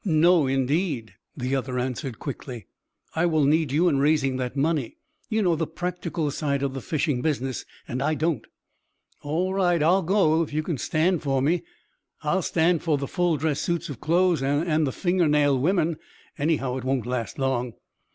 "No, indeed!" the other answered, quickly. "I will need you in raising that money. You know the practical side of the fishing business, and I don't." "All right, I'll go. If you can stand for me, I'll stand for the full dress suits of clothes and the finger nail women. Anyhow, it won't last long."